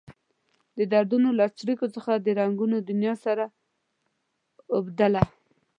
د دردونو له څړیکو څخه د رنګونو دنيا سره اوبدله.